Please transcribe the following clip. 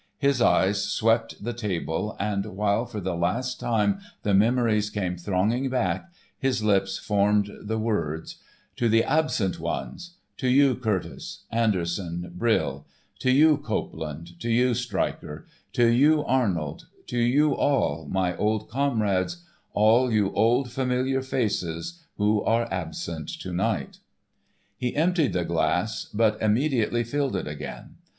His eyes swept the table, and while for the last time the memories came thronging back, his lips formed the words: "To the Absent Ones: to you, Curtice, Anderson, Brill, to you, Copeland, to you, Stryker, to you, Arnold, to you all, my old comrades, all you old familiar faces who are absent to night." He emptied the glass, but immediately filled it again.